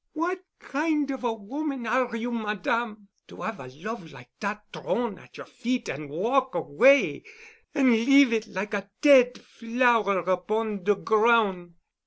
What kind of a woman are you, Madame, to 'ave a love like dat t'rown at your feet an' walk away an' leave it like a dead flower upon de groun'?